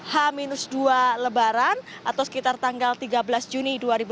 h dua lebaran atau sekitar tanggal tiga belas juni dua ribu delapan belas